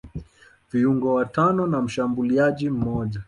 viungo watano na mshambuliaji mmoja